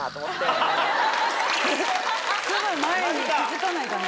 住む前に気付かないかね？